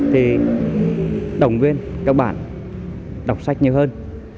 thì động viên các bạn đọc sách nhiều hơn